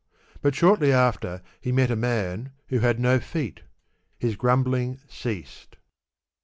But shortly after he met a maa who had no feet, H is grumbl ing ceased.